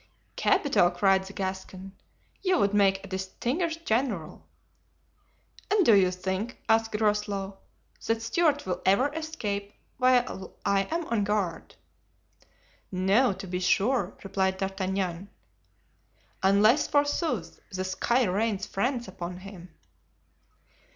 "Capital!" cried the Gascon, "you would make a distinguished general." "And do you think," asked Groslow, "that Stuart will ever escape while I am on guard?" "No, to be sure," replied D'Artagnan; "unless, forsooth, the sky rains friends upon him."